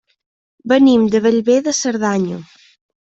Venim de Bellver de Cerdanya.